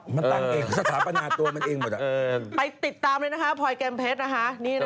มันตั้งเองสถาปนาตัวมันเองหมดอ่ะไปติดตามด้วยนะฮะพอยแกมเพชรนะฮะนี่นะฮะ